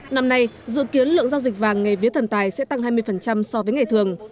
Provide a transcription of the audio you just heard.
năm nay dự kiến lượng giao dịch vàng ngày vía thần tài sẽ tăng hai mươi so với ngày thường